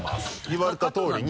言われたとおりに。